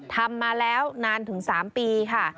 ทำมาแล้วนานถึง๓ปีค่ะ